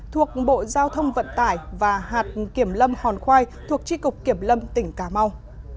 thuộc bộ giao thông vận tải và hạt kiểm lâm hòn khoai thuộc tri cục kiểm lâm tỉnh cà mau